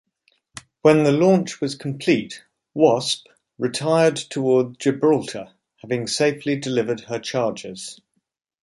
When the launch was complete, "Wasp" retired toward Gibraltar, having safely delivered her charges.